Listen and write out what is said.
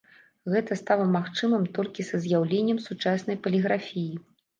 Гэта стала магчымым толькі са з'яўленнем сучаснай паліграфіі.